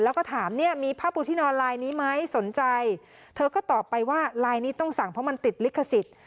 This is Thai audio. แล้วก็ถามเนี่ยมีผ้าปูที่นอนลายนี้ไหมสนใจเธอก็ตอบไปว่าลายนี้ต้องสั่งเพราะมันติดลิขสิทธิ์